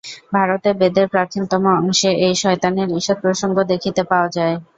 ভারতে বেদের প্রাচীনতম অংশে এই শয়তানের ঈষৎ প্রসঙ্গ দেখিতে পাওয়া যায়।